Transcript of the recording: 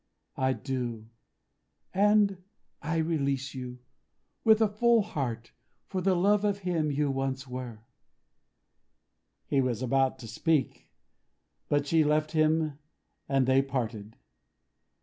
I do; and I release you. With a full heart, for the love of him you once were." He was about to speak; but she left him and they parted.